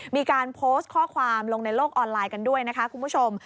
มีการโพสต์ข้อความลงในโลกออนไลน์กันด้วยนะคะคุณผู้ชม